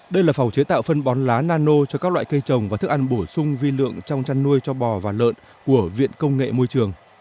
đây là phòng chế tạo phân bón lá nano cho các loại cây trồng và thức ăn bổ sung vi lượng trong chăn nuôi cho bò và lợn của viện công nghệ môi trường